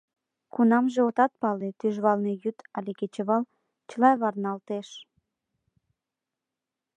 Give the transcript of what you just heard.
Кунамже отат пале, тӱжвалне йӱд але кечывал — чыла варналтеш.